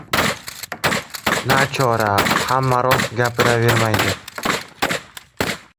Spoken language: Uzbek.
Nachora, hamma rost gapiravermaydi.